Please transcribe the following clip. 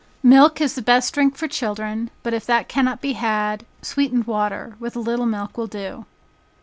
Milk is the best drink for children, but if that cannot be had, sweetened water, with a little milk, will do.